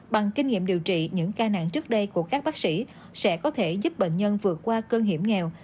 bằng kinh nghiệm điều trị những ca nặng trước đây của các bác sĩ sẽ có thể giúp bệnh nhân vượt qua cơn hiểm nghèo